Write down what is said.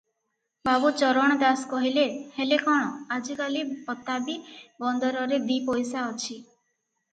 ବାବୁ ଚରଣ ଦାସ କହିଲେ-ହେଲେ କଣ, ଆଜି କାଲି ବତାବୀ ବନ୍ଦରରେ ଦି ପଇସା ଅଛି ।